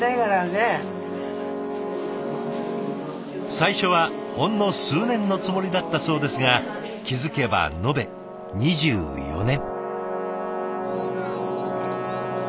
最初はほんの数年のつもりだったそうですが気付けば延べ２４年。